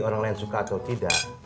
orang lain suka atau tidak